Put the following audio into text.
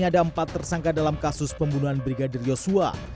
dalam kasus pembunuhan brigadir joshua